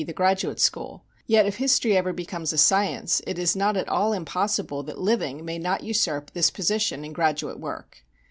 _, the graduate school; yet if history ever becomes a science it is not at all impossible that living may not usurp this position in graduate work.